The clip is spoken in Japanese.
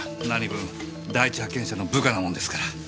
何分第一発見者の部下なもんですから。